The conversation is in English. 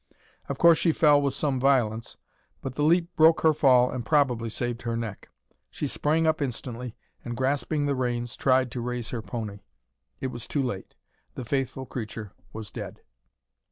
Of course she fell with some violence, but the leap broke her fall and probably saved her neck. She sprang up instantly, and grasping the reins, tried to raise her pony. It was too late. The faithful creature was dead.